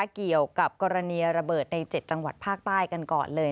เกี่ยวกับกรณีระเบิดใน๗จังหวัดภาคใต้กันก่อนเลย